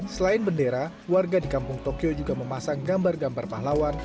selain bendera warga di kampung tokyo juga memasang gambar gambar pahlawan